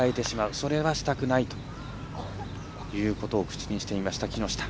それはしたくないということを口にしていた、木下。